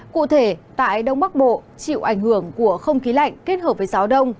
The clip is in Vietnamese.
cụ thể tại đông bắc bộ chịu ảnh hưởng của không khí lạnh kết hợp với gió đông